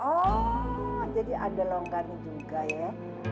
oh jadi ada longgarnya juga ya